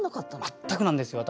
全くなんですよ私。